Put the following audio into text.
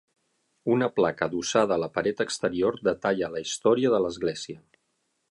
Una placa adossada a la paret exterior detalla la història de l'església.